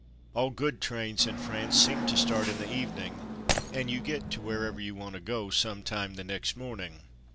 All good trains in France seem to start in the evening, and you get to wherever you want to go some time the next morning.